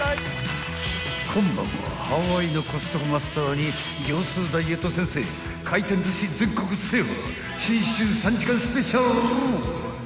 ［今晩はハワイのコストコマスターに業スーダイエット先生回転寿司全国制覇新春３時間スペシャル］